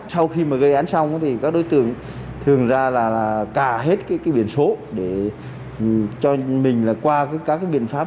sau khi mà gây án xong thì các đối tượng thường ra là cà hết cái biển số để cho mình là qua các cái biện pháp